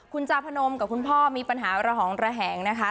คุณจาพนมกับคุณพ่อมีปัญหาระหองระแหงนะคะ